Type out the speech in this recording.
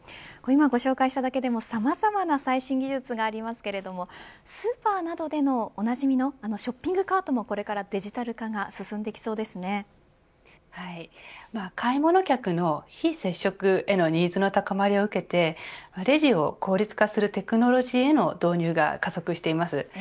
今ご紹介しただけでもさまざまな最新技術がありますけれどスーパーなどでもおなじみのショッピングカートもこれからデジタル化が買い物客の非接触へのニーズの高まりを受けてレジを効率化するテクノロジーの導入が加速しています。